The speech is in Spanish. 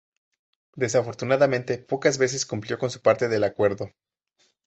Desafortunadamente, pocas veces cumplió con su parte del acuerdo.